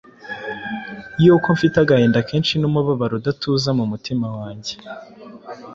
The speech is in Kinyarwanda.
yuko mfite agahinda kenshi n’umubabaro udatuza mu mutima wanjye.